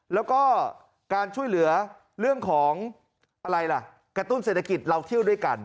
แล้วก็การช่วยเหลือเรื่องของอะไรล่ะกระตุ้นเศรษฐกิจเราเที่ยวด้วยกัน